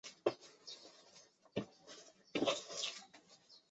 他的名字将在伟大独立运动历史中永存。